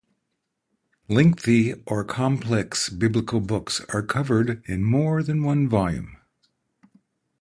Lengthy or complex biblical books are covered in more than one volume.